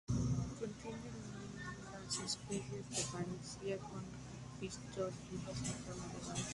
Contiene las especies de "Banksia" con pistilos en forma de gancho.